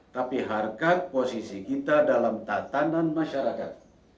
tapi harkat posisi kita dalam tatanan masyarakat